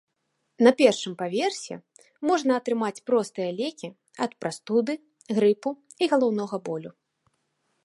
На першым паверсе можна атрымаць простыя лекі ад прастуды, грыпу і галаўнога болю.